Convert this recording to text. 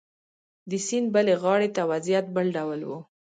د سیند بلې غاړې ته وضعیت بل ډول و.